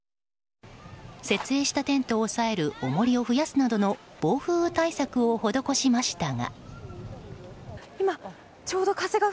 設営したテントを押さえるおもりを増やすなどの暴風雨対策を施しましたが。